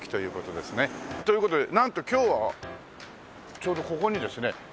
という事でなんと今日はちょうどここにですね